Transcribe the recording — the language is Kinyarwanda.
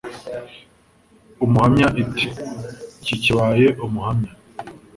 UMUHAMYA It iki kibaye umuhamya